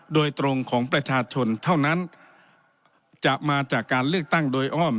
โดยตรงของประชาชนเท่านั้นจะมาจากการเลือกตั้งโดยอ้อม